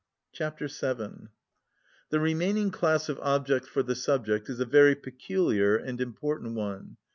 Chapter VII. The remaining class of objects for the subject is a very peculiar and important one.